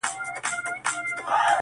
يو ليك؛